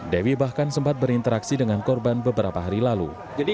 dewi bahkan sempat berinteraksi dengan korban beberapa hari lalu